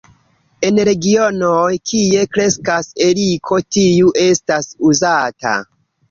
En regionoj, kie kreskas eriko, tiu estas uzata.